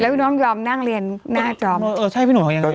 แล้วพี่หนุ่มยอมนั่งเรียนหน้าจอมเออเออใช่พี่หนุ่มเขายังไง